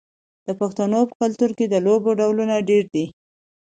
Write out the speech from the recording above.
د پښتنو په کلتور کې د لوبو ډولونه ډیر دي.